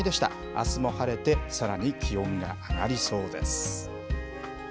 あすも晴れてさらに気温が上がりそうです。